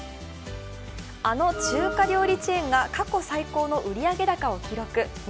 あの中華料理チェーンが過去最高の売上高を記録。